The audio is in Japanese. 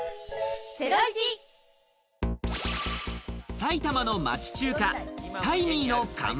埼玉の町中華・大味の看板